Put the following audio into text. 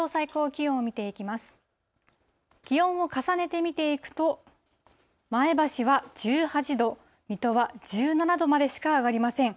気温を重ねて見ていくと、前橋は１８度、水戸は１７度までしか上がりません。